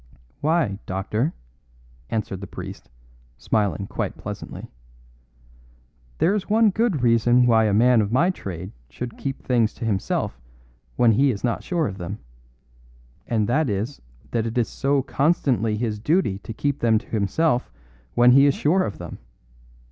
"Why, doctor," answered the priest, smiling quite pleasantly, "there is one very good reason why a man of my trade should keep things to himself when he is not sure of them, and that is that it is so constantly his duty to keep them to himself when he is sure of them.